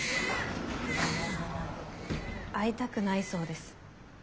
会いたくないそうです。